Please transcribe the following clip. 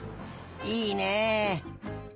いいね。